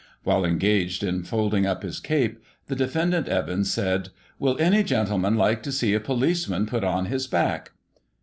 While engaged in folding up his cape, the defendant Evans said, "Will any gentleman like to see a policeman put on his back